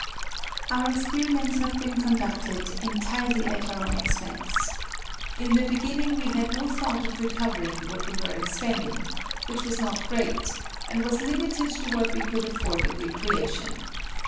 Our experiments have been conducted entirely at our own expense. In the beginning we had no thought of recovering what we were expending, which was not great, and was limited to what we could afford in recreation.